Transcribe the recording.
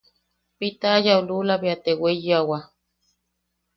Pitayau lula bea te weiyawa.